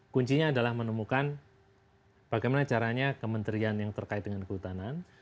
kuncinya adalah menemukan bagaimana caranya kementerian yang terkait dengan kehutanan